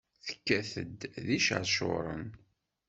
Tekkat-d d iceṛcuren.